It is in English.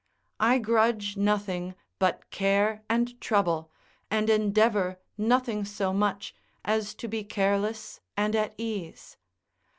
I grudge nothing but care and trouble, and endeavour nothing so much, as to be careless and at ease.